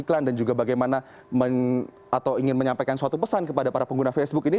iklan dan juga bagaimana atau ingin menyampaikan suatu pesan kepada para pengguna facebook ini